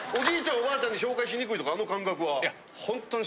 おばあちゃんに紹介しにくいとかあの感覚は？いや。